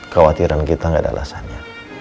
kewatiran kita gak ada alasannya